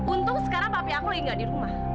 untung sekarang papi aku tinggal di rumah